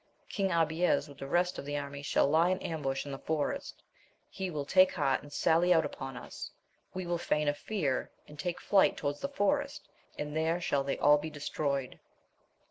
King Abies with the rest of the army shall lie in ambush in the forest. He will take heart and sally out upon us ; we will feign a fear, and take flight towards the forest, and there shall they all be destroyed.